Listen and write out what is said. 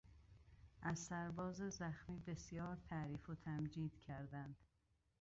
از سرباز زخمی بسیار تعریف و تمجید کردند.